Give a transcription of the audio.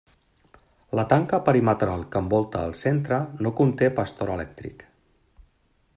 La tanca perimetral que envolta el centre no conté pastor elèctric.